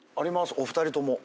お二人とも。